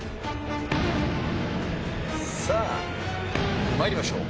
さあ参りましょう。